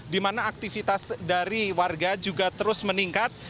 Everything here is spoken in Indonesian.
dimana aktivitas dari warga juga terus meningkat